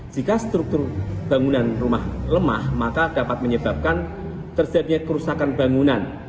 jika struktur bangunan rumah lemah maka dapat menyebabkan terjadinya kerusakan bangunan